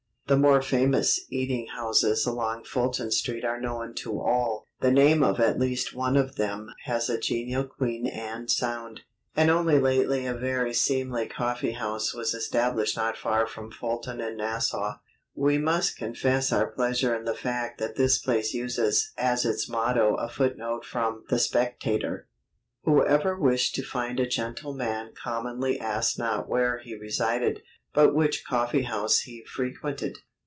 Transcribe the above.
The more famous eating houses along Fulton Street are known to all: the name of at least one of them has a genial Queen Anne sound. And only lately a very seemly coffee house was established not far from Fulton and Nassau. We must confess our pleasure in the fact that this place uses as its motto a footnote from The Spectator "Whoever wished to find a gentleman commonly asked not where he resided, but which coffee house he frequented."